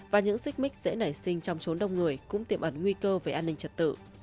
và những xích mít dễ nảy sinh trong trốn đông người cũng tiềm ẩn nguy cơ về an ninh trật tự